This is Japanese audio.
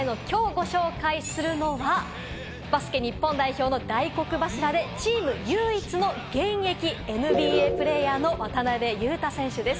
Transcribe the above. そして４日目のきょうご紹介するのは、バスケ日本代表の大黒柱で、チーム唯一の現役ＮＢＡプレーヤーの渡邊雄太選手です。